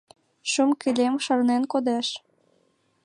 Шÿм-кылем шарнен кодеш.